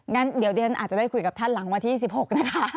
งั้นเดี๋ยวดิฉันอาจจะได้คุยกับท่านหลังวันที่๑๖นะคะ